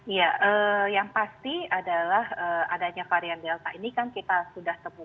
iya yang pasti adalah adanya varian delta ini kan kita sudah temukan